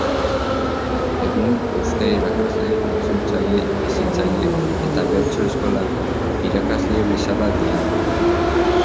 Egun, euskara irakasle, itzultzaile, hezitzaile eta bertso-eskolako irakasle bezala dihardu.